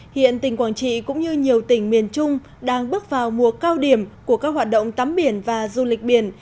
hiện tỉnh quảng trị cũng như nhiều tỉnh miền trung đang bước vào mùa cao điểm của các hoạt động tắm biển và du lịch biển